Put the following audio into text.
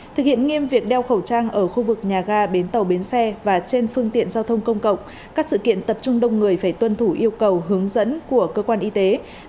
thực hiện nghiêm việc đeo khẩu trang ở khu vực nhà ga bến tàu bến xe và trên phương tiện giao thông công cộng các sự kiện tập trung đông người phải tuân thủ yêu cầu hướng dẫn của cơ quan y tế